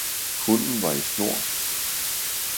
Hunden var i snor